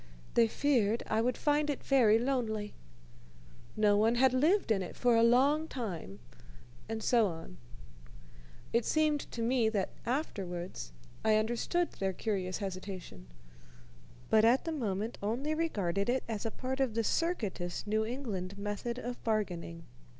They feared I would find it very lonely. No one had lived in it for a long time, and so on. It seemed to me that afterwards I understood their curious hesitation, but at the moment only regarded it as a part of the circuitous New England method of bargaining.